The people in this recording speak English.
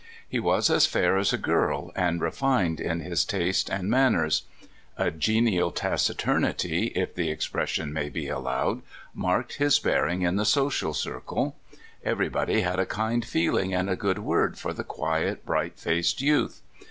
He was as fair as a girl, and refined in his taste and manners. A genial taci turnity, if the expression may be allowed, marked his bearing in the social circle. Everybody had a kind feeling and a good word for the quiet, bright faced youth.